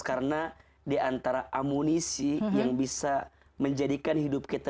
karena diantara amunisi yang bisa menjadikan hidup kita